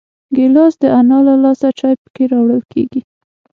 ګیلاس د انا له لاسه چای پکې راوړل کېږي.